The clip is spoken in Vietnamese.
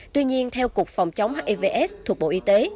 tuy nhiên theo cục phòng chống hivs thuộc bộ y tế